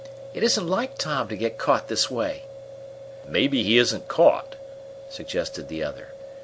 "It isn't like Tom to get caught this way." "Maybe he isn't caught," suggested the other.